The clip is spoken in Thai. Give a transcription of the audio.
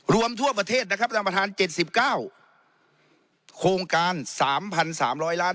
ทั่วประเทศนะครับท่านประธาน๗๙โครงการ๓๓๐๐ล้าน